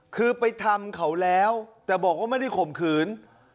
คือไปทำเขาแล้วแต่บอกว่าไม่ได้ข่มขืน